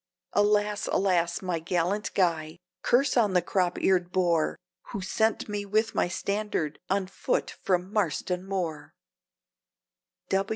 Alas! alas! my gallant Guy! curse on the crop eared boor, Who sent me with my standard, on foot from Marston Moor!"